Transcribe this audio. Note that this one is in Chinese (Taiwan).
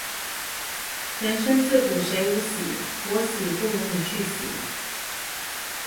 人生自古誰無死，我死不如你去死